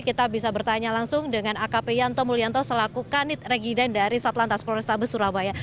kita bisa bertanya langsung dengan akp yanto mulyanto selaku kanit regiden dari satlantas polrestabes surabaya